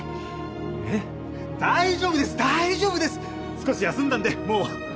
少し休んだんでもう。